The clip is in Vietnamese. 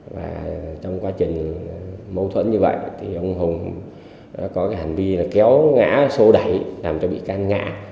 và trong quá trình mâu thuẫn như vậy thì ông hùng có cái hành vi là kéo ngã sô đẩy làm cho bị can ngạ